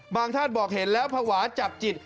ท่านบอกเห็นแล้วภาวะจับจิต